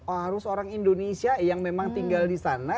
harus orang indonesia yang memang tinggal di sana